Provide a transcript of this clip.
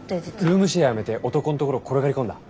ルームシェアやめて男んところ転がり込んだ？